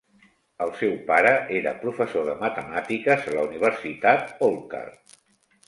El seu pare era professor de matemàtiques a la universitat Holkar.